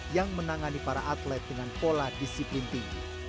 yang menangani para atlet dengan pola disiplin tinggi